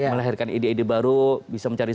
melahirkan ide ide baru bisa mencari